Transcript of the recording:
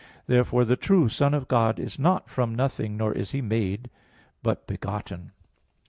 Therefore the true Son of God is not from nothing; nor is He made, but begotten.